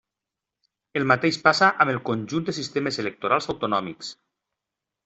El mateix passa amb el conjunt de sistemes electorals autonòmics.